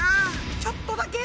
ちょっとだけ。